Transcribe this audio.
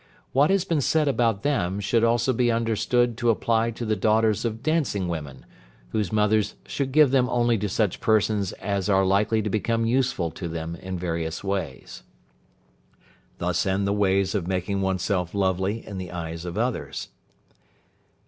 What has been said about them should also be understood to apply to the daughters of dancing women, whose mothers should give them only to such persons as are likely to become useful to them in various ways. Thus end the ways of making oneself lovely in the eyes of others.